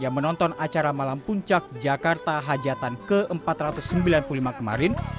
yang menonton acara malam puncak jakarta hajatan ke empat ratus sembilan puluh lima kemarin